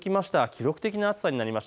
記録的な暑さです。